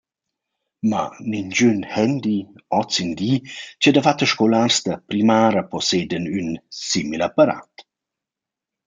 Ma ningün handy –hozindi, cha dafatta scolars da primara possedan ün simil apparat.